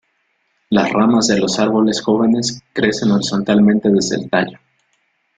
Las ramas de los árboles jóvenes crecen horizontalmente desde el tallo.